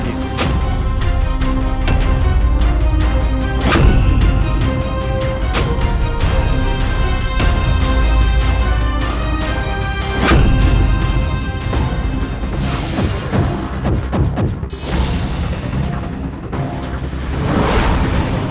jarum beracun ini